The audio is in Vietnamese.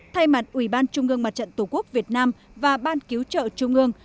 thay mặt ủy ban trung ương mặt trận tổ quốc việt nam và ban cứu trợ trung ương